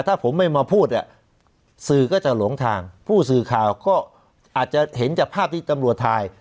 ถ้าผมไม่มาพูดสื่อก็จะหลงทางผู้สื่อข่าวก็อาจจะเห็นจากภาพที่ตำรวจถ่าย